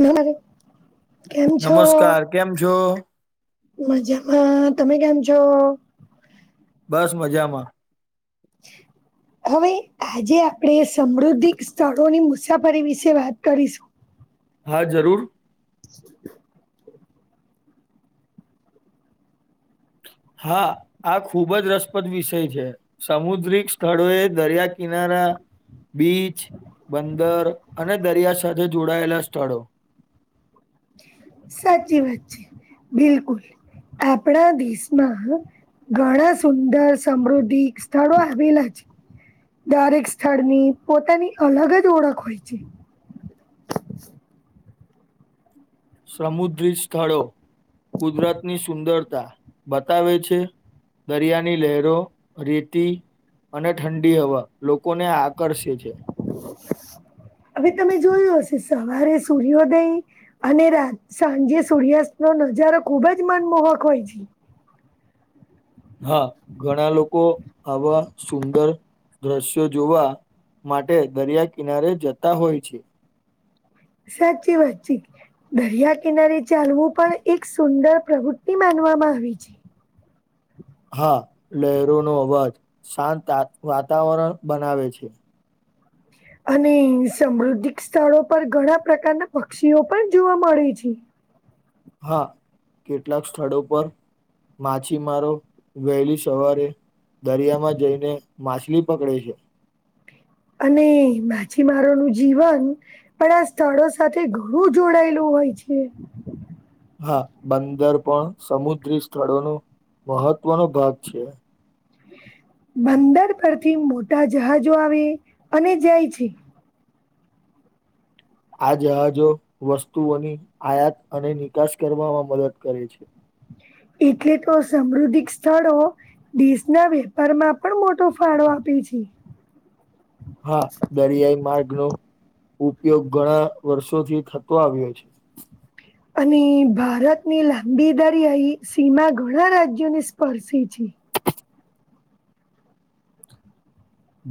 નારે કેમ છો? નમસ્કાર કેમ છો મજામાં તમે કેમ છો? બસ મજામાં. હવે આજે આપણે સમૃદ્ધિક સ્થળોની મુસાફરી વિશે વાત કરીશું. હા જરૂર. [inaudible] [inaudible] હા આ ખૂબ જ રસપ્રદ વિષય છે સમુદ્રિક સ્થળો એ દરિયા કિનારા બીચ બંદર અને દરિયા સાથે જોડાયેલા સ્થળો સાચી વાત છે, બિલકુલ. આપપણા દેશમાં ઘણા સુંદર સમૃદ્ધિક સ્થળો આવેલા છે. દરેક સ્થળની પોતાની અલગ જ ઓળખ હોય છે. [inaudible] સમુદ્રિત સ્થળો કુદરતની સુંદરતા બતાવે છે. દરિયાની લહેરો રેતી અને ઠંડી હવા લોકોને આકર્ષે છે. હવે તમે જોયું હશે સવારે સૂર્યોદય અને રાત સાંજે સૂર્યાસ્ત નો નજારો ખુબ જ મનમોહક હોય છે. હા ઘણા લોકો આવા સુંદર દ્રશ્યો જોવા માટે દરિયા કિનારે જતા હોય છે. સાચી વાતચી દરિયા કિનારી ચાલવું પણ એક સુંદર પ્રવૃતિ માનવું આવી છે. હા લહેરોનો અવાજ શાંત વાતાવરણ બનાવે છે. અને સમૃદ્ધિક સ્થળો પર ઘણા પ્રકારના પક્ષીઓ પણ જોવા મળે છે. હા કેટલાક સ્થળો પર માછીમારો વહેલી સવારે દરિયામાં જઈને માછલી પકડે છે. અને માછીમારોનું જીવન પણ આ સ્થળો સાથે ઘણું જોડાયેલું હોય છે. હા બંદર પણ સમુદ્રી સ્થળોનો મહત્વનો ભાગ છે. બંદર પરથી મોટા જહાજો આવે અને જાય છે. આ જહાજો વસ્તુઓની આયાત અને નિકાસ કરવામાં મદદ કરે છે. [inaudible] એટલે તો સમૃદ્ધિક સ્થળો દેશના વેપારમાં પણ મોટો ફાળો આપે આપે છે. [inaudible] હા દરિયાઈ માર્ગ નો ઉપયોગ ઘણા વર્ષોથી થતો આવ્યો છે. અને ભારતની લાંબી દરિયા સીમા ઘણા રાજ્યોને સ્પર્શે છે.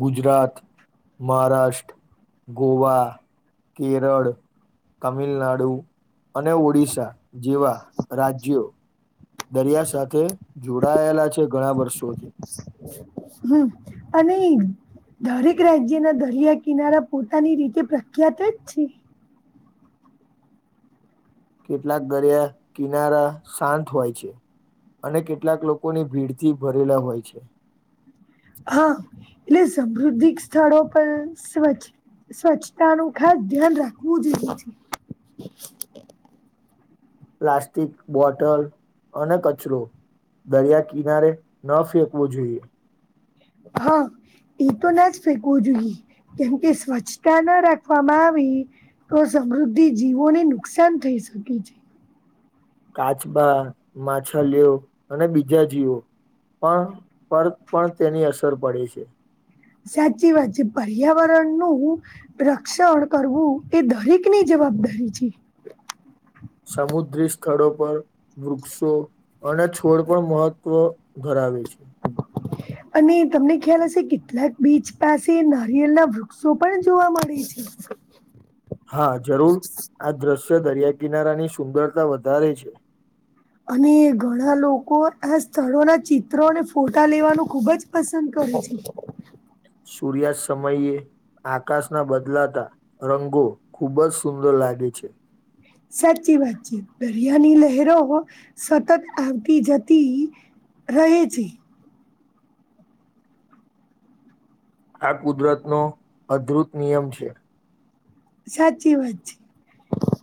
ગુજરાત, મહારાષ્ટ્ર, ગોવા કેરળ તામિલનાડુ અને ઓડિશા જેવા રાજ્યો દરિયા સાથે જોડાયેલા છે, ઘણા વર્ષો હમ અને દરેક રાજ્યના દરિયા કિનારા પોતાની રીતે પ્રખ્યાત જ છે. કેટલાક દરિયા કિનારા શાંત હોય છે. અને કેટલાક લોકોની ભીડથી ભરેલા હોય છે. હા એટલે સમૃદ્ધિક સ્થળો પણ સ્વ છે. સ્વચ્છતા નુ ખાસ ધ્યાન રાખવું જોઈએ છે. [inaudible] પ્લાસ્ટિક બોટલ અને કચરો દરિયા કિનારે ન ફેંકવું જોઈએ. હા એ તો ના જ ફેકવું જોઈએ કેમકે સ્વચ્છતા ના રાખવામાં આવી તો સમૃદ્ધિ જીવોને નુકસાન થઈ શકે છે. કાચબા માછલીયો અને બીજા જીવો પણ પર પણ તેની અસર પડે છે. સાચી વાત છે પર્યાવરણનુ રક્ષણ કરવું એ દરેક ની જ જવાબદારી છે. [inaudible] સમુદ્રી સ્થળો પર વૃક્ષો અને છોડ પણ મહત્વ ધરા આવે છે. અને તમને ખ્યાલ હશે કેટલાક બીચ પાસે નારિયેલના વૃક્ષો પણ જોવા મળે છે. [inaudible] હા જરૂર આ દ્રશ્ય દરિયા કિનારાની સુંદરતા વધારે છે. અને ઘણા લોકો આ સ્થળો ના ચિત્રો અને ફોટા લેવાનું ખુબ જ પસંદ કર [unintelligible] સૂર્યાસ્ સમયે આકાશના બદલાતા રંગો ખૂબ જ સુંદર લાગે છે. સાચી વાતચીત છે દરિયાની લહેરો સતત આવતી જતી રહી છે. આ કુદરતનો અદભુત નિયમ છે. સાચી વાત છે.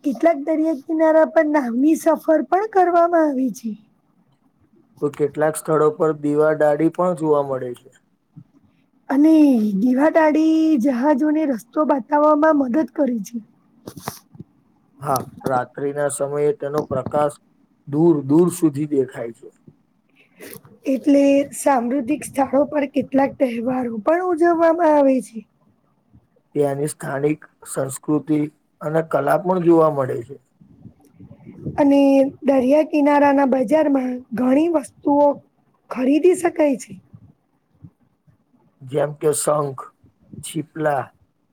કેટલાક દરિયા કિનારા પર નાંની સફર પણ કરવામાં આવી છે. તો કેટલાક સ્થળો પર દીવા ડાડી પણ જોવા મળે છે. અને દીવાદાળી જહાજોને રસ્તો બતાવવામાં મદદ કરી છે. [inaudible] હા રાત્રિ ના સમયે તેનો પ્રકાશ દૂર દૂર સુધી દેખાય છે. એટલે સામૃધિક સ્થળો પર કેટલાક તહેવારો પણ ઉજવવામાં આવે છે. ત્યાંની સ્થાનિક સંસ્કૃતિ અને કલા પણ જોવા મળે છે. અને દરિયા કિનારા ના બજારમાં ઘણી વસ્તુઓ ખરીદી શકાય છે. જેમ કે શંખ છીપલા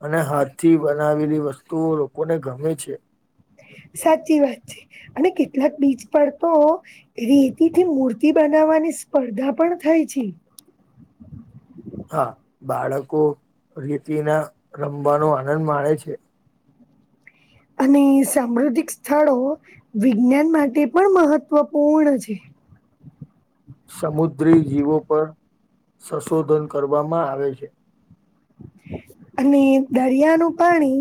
અને હાથ થી બનાવેલી વસ્તુઓ લોકોને ગમે છે. સાચી વાત છે. અને કેટલાક બીચ પર તો રેતીથી મૂર્તિ બનાવવાની સ્પર્ધા પણ થાય ય છી [inaudible] હા બાળકો રેતિના રમવાનો આનંદ માણે છે. અને સામૃદિક સ્થળો વિજ્ઞાન માટે પણ મહત્વપૂર્ણ છે. સમુદ્રી જીવો પર સંશોધન કરવામાં આવે છે. [inaudible] અને દરિયાનું પાણી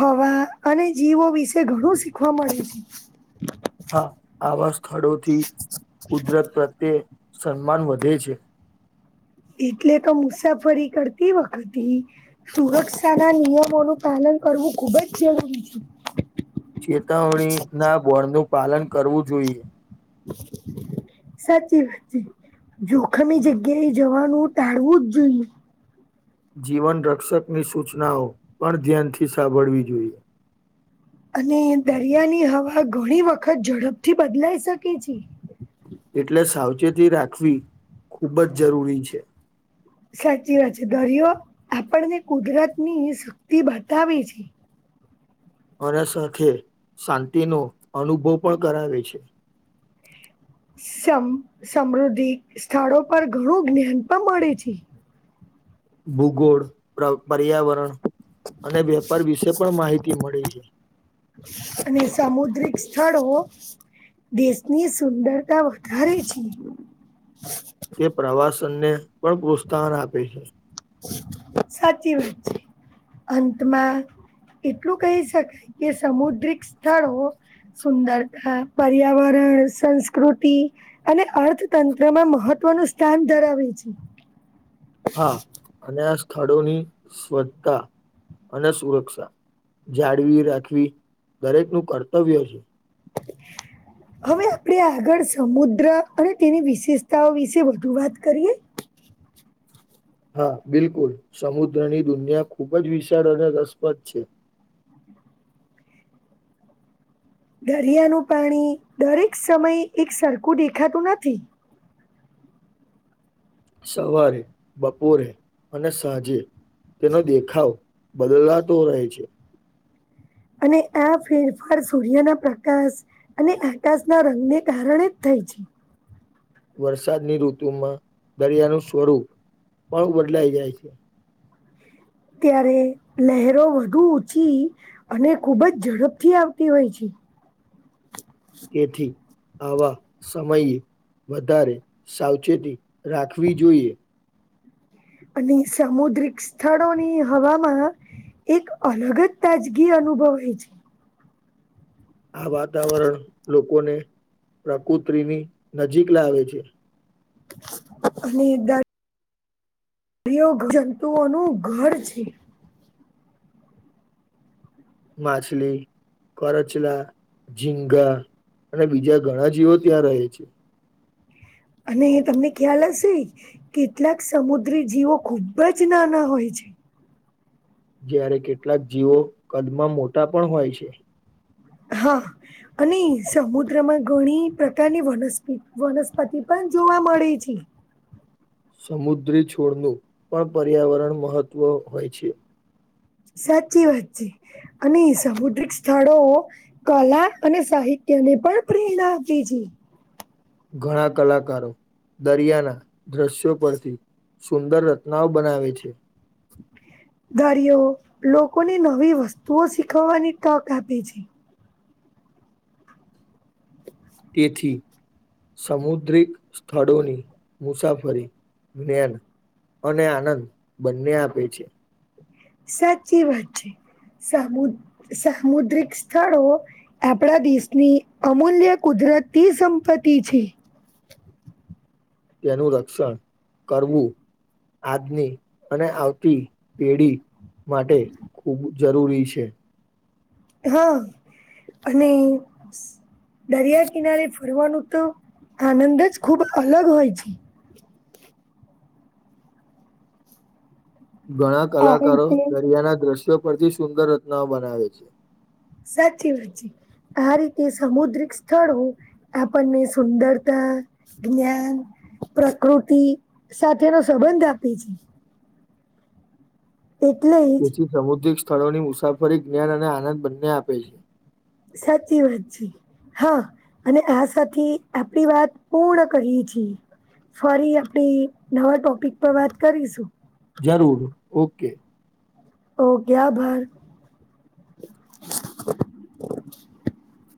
હવા અને જીવો વિશે ઘણું શીખવા મળે છે. હા આવા સ્થળોથી કુદરત પ્રત્યે સન્માન વધે છે. એટલે તો મુસાફરી કરતી વખતે સુરક્ષાના નિયમોનું પાલન કરવું ખુબ જ જરૂરી છે. ચેતવણીના બળનું પાલન કરવું જોઈએ સાચી વાત છે, જોખમી જગ્યા એ જવાનું ટાળવું જ જોઈએ જીવનરક્ષકની સૂચનાઓ પણ ધ્યાનથી સાંભળવી જોઈએ અને દરિયાની હવા ઘણી વખત ઝડપથી બદલાઈ શકે છે. એટલે સાવચેતી રાખવી ખૂબ જ જરૂરી છે. સાચી વાત છે દરિયો આપણને કુદરત ની શક્તિ બતાવે છે. અને સંથે શાંતિનો અનુભવ પણ કરાવે છે. સમ સમૃદ્ધિ સ્થળો પર ઘણું જ્ઞાન પણ મળે છે. ભૂગોળ પ્ર પર્યાવરણ અને વેપાર વિશે પણ માહિતી મળી છે. અને સામુદ્રિક સ્થળો દેશની સુંદરતા વધારે છે. તે પ્રવાસનને પણ પ્રોત્સાહન આપે છે. સાચી વાત છે, અંતમાં એટલું કહી શકાય કે સમુદ્રિક સ્થળો સુંદરતા પર્યાવરણ સંસ્કૃતિ અને અર્થતંત્રમાં મહત્વ તત્વનું યશ સ્થાન ધરાવે છે. હા અને આ સ્થળોની સ્વચ્તા અને સુરક્ષા જાળવી રાખવી દરેકનુ કર્તવ્ય છે. હવે આપણે આગળ સમુદ્ર અને તેની વિશેષતાઓ વિશે વધુ વાત કરીએ [inaudible] હા બિલકુલ સમુદ્રની દુનિયા ખૂબ જ વિશાળ અને રસપ્રદ છે. [inaudible] દરિયાનું પાણી દરેક સમય એક સરખું દેખાતું નથી સવારે, બપોરે અને સાંજે તેનો દેખાવ બદલાતો રહે છે. અને આ ફેરફાર સૂર્યના પ્રકાશ અને આકાશના રંગને કારણે જ થઈ [inaudible] વરસાદની ઋતુમાં દરિયાનું સ્વરૂપ પણ બદલાઈ જાય છે. ત્યારે લહેરો વધુ ઊંચી અને ખુબ જ ઝડપથી આવતી હોય છે [inaudible] તેથી આવા સમયે વધારે સાવચેતી રાખવી જોઈએ અને સામુદ્રિક સ્થળોની હવામાં એક અલગ જ તાજગી અનુભવાય છે. આ વાતાવરણ લોકોને પ્રકૃતિની નજીક લાવે છે. અને દ દરયો જંતુઓનું ઘર છે. માછલી. કરચલા, ઝીંગા અને બીજા ઘણા જીવો ત્યાં રહે છે. અને તમને ખ્યાલ હશે કેટલાક સમુદ્રી જીવો ખુબ જ નાના હોય છે. જ્યારે કેટલાક જીવો કદમાં મોટા પણ હોય છે. હા અને સમુદ્રમાં ઘણી પ્રકારની વનસ્પ વનસ્પતિ પણ જોવા મળી છે. સમુદ્રી છોડનું પણ પર્યાવરણ મહત્વ હોય છે. સાચી વાત છે, અને સમુદ્રિક સ્થળો કલા અને સાહિ તેને પણ પ્રેરણા આપી છે. ઘણા કલાકારો દરિયાના દ્રશ્યો પરથી સુંદર રચનાઓ બનાવે છે. દરિયો લોકોની નવી વસ્તુઓ શીખવવાની તક આપે છે. તેથી. સમુદ્રિક સ્થળોની મુસાફરી જ્ઞાન અને આનંદ બંને આપે છે. સાચી વાત છે. સામુદ સામુદ્રિક સ્થળો આપણા દેશની અમૂલ્ય કુદ- દરતી સંપત્તિ છે. [unintelligible] તેનું રક્ષણ કરવું આજની અને આવતી પેડી માટે ખૂબ જરૂરી છે. હા અને દરિયા કિનારે ફરવાનું તો આનંદ જ ખુબ અલગ હોય છે. ઘણા આ કલાકારો રીતે દરિયાના દ્રશ્યો પરથી સુંદર રચનાઓ બનાવે છે. સાચી વાત છે. આ રીતે સમુદ્રિક સ્થળો આપણને સુંદરતા, જ્ઞાન, પ્રકૃતિ સાથેનો સંબંધ આપે છે. એટલે જ તેથી સમુદ્રિક સ્થળોની મુસાફરી જ્ઞાન અને આનંદ બંને આપે છે. સાચી વાત છે. હા અને આ સાથે આપડી વાત પૂર્ણ કરીએ છીએ. ફરી આપડી નવા ટોપિક પર વાત કરીશું. જરૂર ઓકે ઓકે આભાર